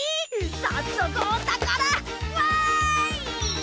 さっそくおたから！わい！